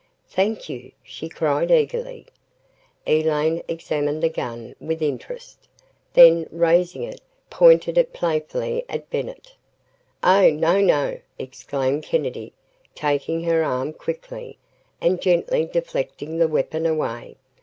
"Thank you," she cried eagerly. Elaine examined the gun with interest, then, raising it, pointed it playfully at Bennett. "Oh no no!" exclaimed Kennedy, taking her arm quickly, and gently deflecting the weapon away.